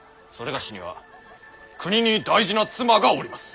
某には国に大事な妻がおります！